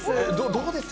どうです？